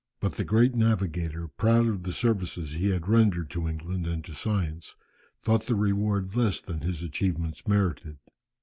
But the great navigator, proud of the services he had rendered to England and to science, thought the reward less than his achievements merited.